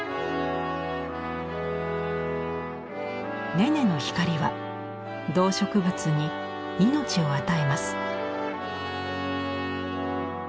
ネネの光は動植物に命を与えます。